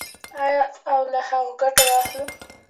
آیا او له هغو ګټه واخلو؟